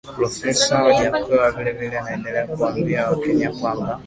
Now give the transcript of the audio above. Profesa Wajackoya vile vile anaendelea kuwaambia wakenya kwamba